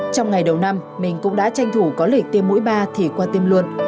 trong ngày đầu năm mình cũng đã tranh thủ có lịch tiêm mũi ba thì qua tiêm luận